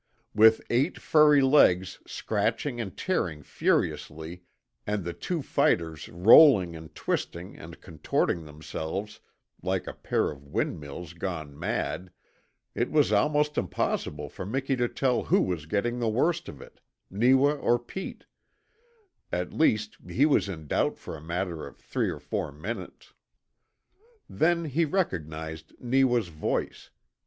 With eight furry legs scratching and tearing furiously, and the two fighters rolling and twisting and contorting themselves like a pair of windmills gone mad, it was almost impossible for Miki to tell who was getting the worst of it Neewa or Pete; at least he was in doubt for a matter of three or four minutes. Then he recognized Neewa's voice.